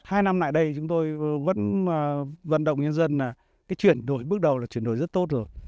hai năm lại đây chúng tôi vẫn vận động nhân dân là cái chuyển đổi bước đầu là chuyển đổi rất tốt rồi